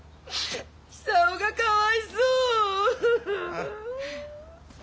久男がかわいそう。